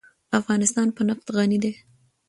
افغانستان په نفت غني دی.